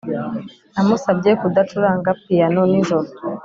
namusabye kudacuranga piyano nijoro.